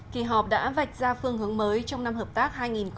kỳ họp đã vạch ra phương hướng mới trong năm hợp tác hai nghìn hai mươi